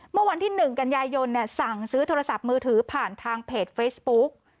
เมื่อวันที่๑กันยายนสั่งซื้อโทรศัพท์มือถือผ่านทางเพจเฟซบุ๊ก